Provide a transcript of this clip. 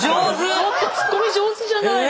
ちょっとツッコミ上手じゃないの。